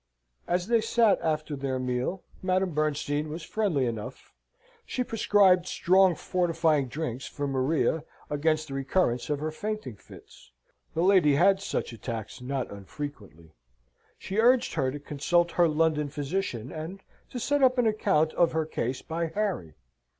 As they sate after their meal, Madame Bernstein was friendly enough. She prescribed strong fortifying drinks for Maria, against the recurrence of her fainting fits. The lady had such attacks not unfrequently. She urged her to consult her London physician, and to send up an account of her case by Harry.